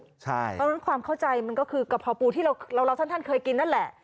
เพราะฉะนั้นความเข้าใจมันก็คือกะเพราปูที่เราท่านเคยกินนั่นแหละ